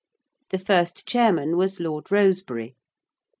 The first Chairman was Lord Rosebery.